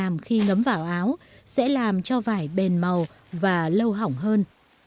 làm khi ngấm vào áo sẽ làm cho vải bền màu và lâu hỏng hơn